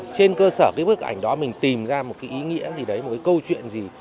trên cơ sở bức ảnh đó mình tìm ra một ý nghĩa gì đấy một câu chuyện gì